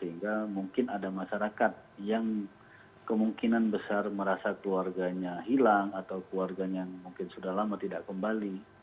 sehingga mungkin ada masyarakat yang kemungkinan besar merasa keluarganya hilang atau keluarganya yang mungkin sudah lama tidak kembali